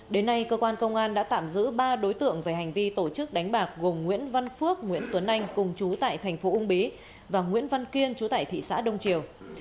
đến nay cơ quan công an đã tạm giữ ba đối tượng về hành vi tổ chức đánh bạc gồm nguyễn văn phước nguyễn tuấn anh cùng chú tại thành phố ung bí và nguyễn văn kiên chú tại thị xã đông triều